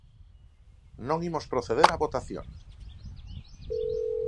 Non imos proceder á votación.